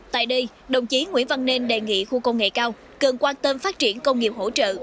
tại đây đồng chí nguyễn văn nên đề nghị khu công nghệ cao cần quan tâm phát triển công nghiệp hỗ trợ